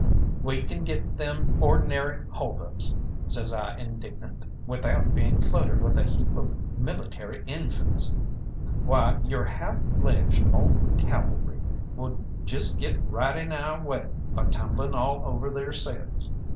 "We can get them or'nary hold ups," says I indignant, "without being cluttered with a heap of military infants. Why, your half fledged, moulting cavalry would just get right in our way by tumbling all over theirselves."